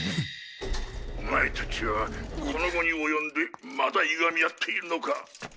お前たちはこの期に及んでまだいがみあっているのか？